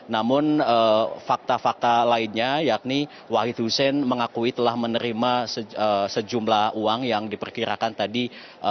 namun fakta fakta lainnya yakni wahid hussein mengakui telah menerima sejumlah uang yang diperkirakan tadi